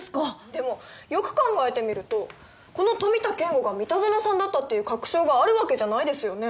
でもよく考えてみるとこの富田健吾が三田園さんだったっていう確証があるわけじゃないですよね？